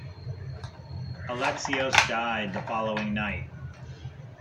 Alexios died the following night.